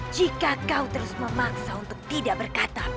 jika kau terus memaksa untuk tidak berkata